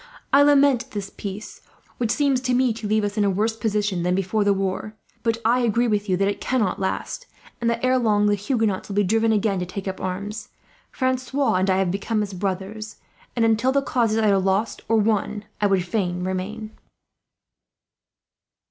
"I lament this peace, which seems to me to leave us in a worse position than before the war; but I agree with you that it cannot last, and that ere long the Huguenots will be driven again to take up arms. Francois and I have become as brothers and, until the cause is either lost or won, I would fain remain."